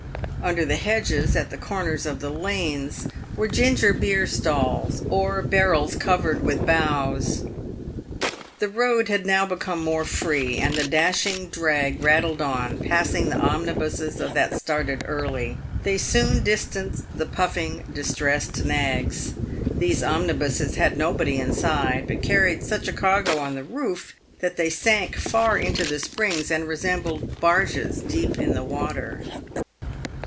Under the hedges, at the corners of lanes, were ginger beer stalls, or barrels covered with boughs. The road had now become more free, and the dashing drag rattled on, passing the omnibuses that started early. They soon distanced the puffing, distressed nags. These omnibuses had nobody inside, but carried such a cargo on the roof that they sank far into the springs, and resembled barges deep in the water.